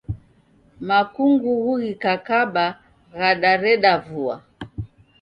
Makungughu ghikakamba ghadareda vua